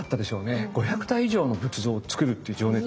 ５００体以上の仏像をつくるっていう情熱は。